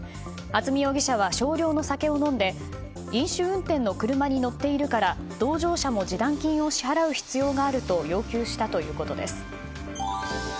渥美容疑者は少量の酒を飲んで飲酒運転の車に乗っているから同乗者も示談金を支払う必要があると要求したということです。